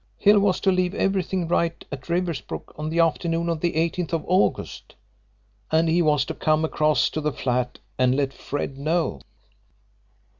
Hill was to leave everything right at Riversbrook on the afternoon of the 18th of August, and he was to come across to the flat and let Fred know.